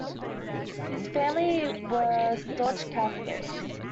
His family were staunch Catholics.